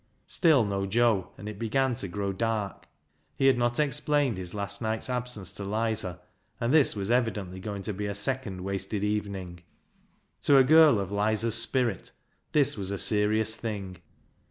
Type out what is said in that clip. Still no Joe, and it began to grow dark. He had not explained his last night's absence to Lizer, and this was evidently going to be a second wasted evening. To a girl of Lizer's spirit this was a serious thing.